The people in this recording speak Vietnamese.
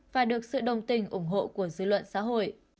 và được sự đồng tình ủng hộ của dư luận xã hội